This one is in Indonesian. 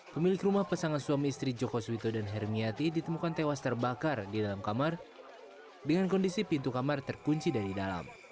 pemilik rumah pasangan suami istri joko suwito dan hermiati ditemukan tewas terbakar di dalam kamar dengan kondisi pintu kamar terkunci dari dalam